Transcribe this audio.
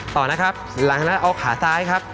ต่อนะครับหลังจากนั้นเอาขาซ้ายครับ